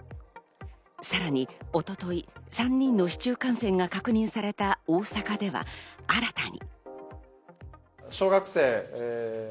さらに一昨日３人の市中感染が確認された大阪では新たに。